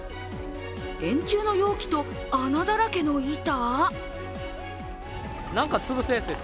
円柱の容器と穴だらけの板？